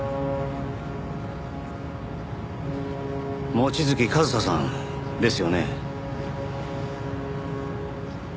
望月和沙さんですよね？